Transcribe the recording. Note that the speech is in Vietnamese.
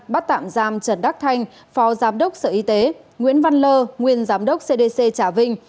bắt tạm giam trần đắc thanh phó giám đốc sở y tế nguyễn văn lơ nguyên giám đốc cdc trà vinh